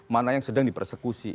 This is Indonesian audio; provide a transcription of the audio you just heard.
mana yang sedang di persekusi